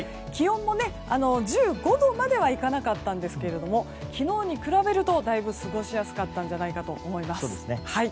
気温も１５度まではいかなかったんですが昨日に比べるとだいぶ過ごしやすかったんじゃないかと思います。